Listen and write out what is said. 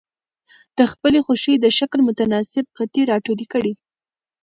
د خپلې خوښې د شکل متناسب قطي را ټولې کړئ.